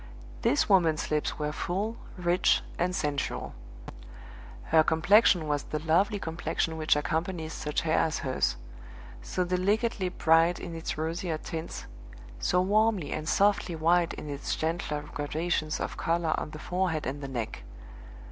This woman's lips were full, rich, and sensual. Her complexion was the lovely complexion which accompanies such hair as hers so delicately bright in its rosier tints, so warmly and softly white in its gentler gradations of color on the forehead and the neck.